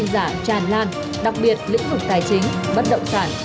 già tràn lan đặc biệt lĩnh vực tài chính bất động sản